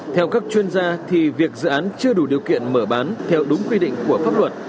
theo các chuyên gia thì việc dự án chưa đủ điều kiện mở bán theo đúng quy định của pháp luật